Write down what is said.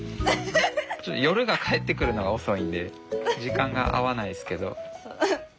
ちょっと夜が帰ってくるのが遅いんで時間が合わないすけど。